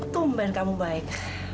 tumben kamu baik